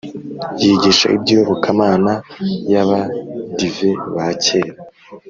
yigisha ibyiyobokamana yabadive ba kera